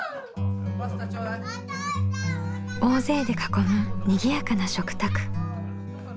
大勢で囲むにぎやかな食卓。